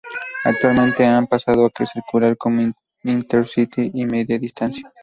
Actualmente han pasado a circular como Intercity y Media Distancia.